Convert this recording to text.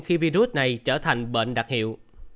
khi virus này trở thành bệnh đặc hiệu